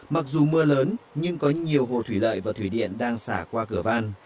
mặc dù mưa lớn nhưng có nhiều hồ thủy lợi và thủy điện đang xả qua cửa van